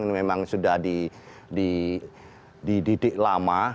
ini memang sudah dididik lama